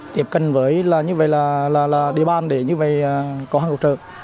tiếp cận với như vậy là địa bàn để như vậy có hàng cứu trợ